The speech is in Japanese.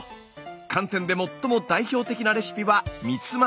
寒天で最も代表的なレシピは「みつ豆」。